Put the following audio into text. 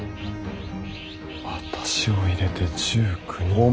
私を入れて１９人か。